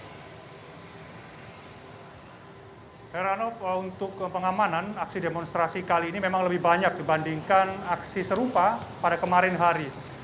heranov untuk pengamanan aksi demonstrasi kali ini memang lebih banyak dibandingkan aksi serupa pada kemarin hari